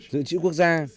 dự trữ quốc gia